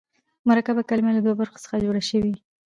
مرکبه کلمه له دوو برخو څخه جوړه سوې يي.